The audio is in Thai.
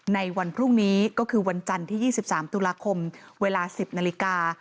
ในวันพรุ่งนี้ก็คือวันจันทร์ที่๒๓ตุลาคมเวลา๑๐นาฬิกา